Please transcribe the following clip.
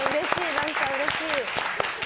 何かうれしい。